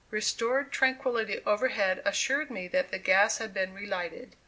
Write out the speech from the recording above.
Restored tranquillity overhead assured me that the gas had been relighted.